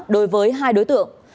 đối với hai đối tượng